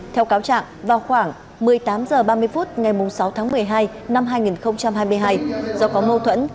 theo cáo trạng vào khoảng một mươi tám h ba mươi phút ngày sáu tháng một mươi hai năm hai nghìn hai mươi hai do có mâu thuẫn